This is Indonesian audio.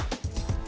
kenapa kayak gitu